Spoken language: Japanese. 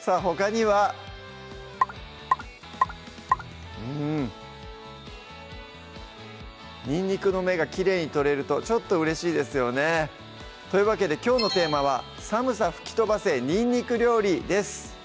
さぁほかにはうんにんにくの芽がきれいに取れるとちょっとうれしいですよねというわけできょうのテーマは「寒さ吹き飛ばせ！にんにく料理」です